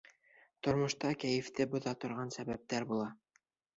Тормошта кәйефте боҙа торған сәбәптәр була.